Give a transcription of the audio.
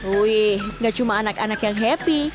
wih gak cuma anak anak yang happy